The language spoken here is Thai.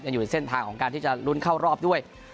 อยู่ในเส้นทางของการที่จะลุ้นเข้ารอบด้วย